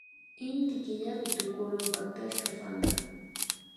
Inty killapi tukurin pactashaka panka